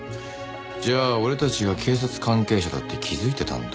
じゃあ俺たちが警察関係者だって気づいてたんだ。